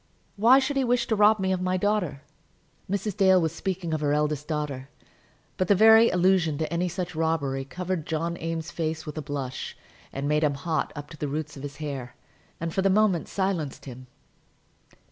Why should he wish to rob me of my daughter?" Mrs. Dale was speaking of her eldest daughter; but the very allusion to any such robbery covered John Eames's face with a blush, made him hot up to the roots of his hair, and for the moment silenced him.